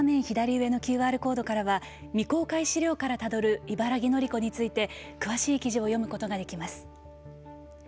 左上のＱＲコードからは未公開資料からたどる茨木のり子について詳しい記事を読むことができます。